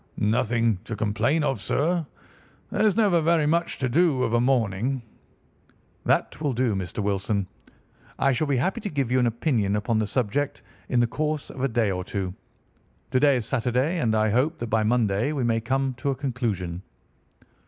"Nothing to complain of, sir. There's never very much to do of a morning." "That will do, Mr. Wilson. I shall be happy to give you an opinion upon the subject in the course of a day or two. To day is Saturday, and I hope that by Monday we may come to a conclusion."